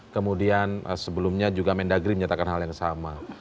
kemudian sebelumnya juga mendagri menyatakan hal yang sama